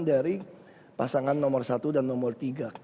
dari pasangan nomor satu dan nomor tiga